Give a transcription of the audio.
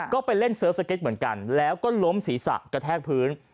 ก็ไปเล่นเสิร์ฟสเก็ตเหมือนกันแล้วก็ล้มศีรษะกระแทกพื้น